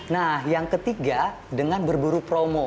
nah yang ketiga dengan berburu promo